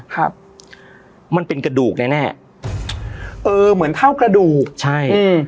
ครับมันเป็นกระดูกแน่แน่เออเหมือนเท่ากระดูกใช่อืม